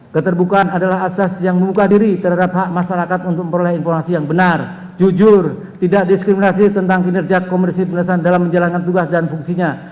keterbukaan adalah asas yang membuka diri terhadap hak masyarakat untuk memperoleh informasi yang benar jujur tidak diskriminasi tentang kinerja komisi pemerintahan dalam menjalankan tugas dan fungsinya